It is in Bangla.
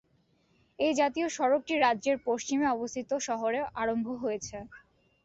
এই জাতীয় সড়কটি রাজ্যের পশ্চিমে অবস্থিত শহরে আরম্ভ হয়েছে।